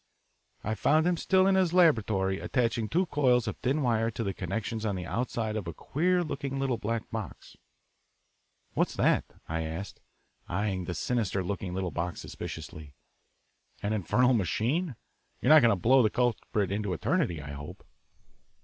I found him still in his laboratory attaching two coils of thin wire to the connections on the outside of a queer looking little black box. "What's that" I asked, eyeing the sinister looking little box suspiciously. "An infernal machine? You're not going to blow the culprit into eternity, I hope."